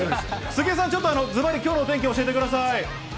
杉江さん、ずばり、きょうのお天気教えてください。